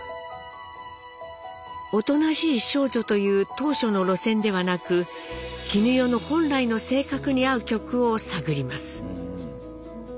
「おとなしい少女」という当初の路線ではなく絹代の本来の性格に合う曲を探ります。